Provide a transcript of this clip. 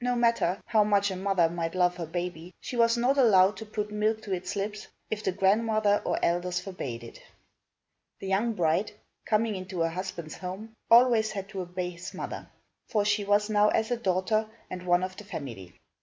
No matter how much a mother might love her baby, she was not allowed to put milk to its lips, if the grandmother or elders forbade it. The young bride, coming into her husband's home, always had to obey his mother, for she was now as a daughter and one of the family.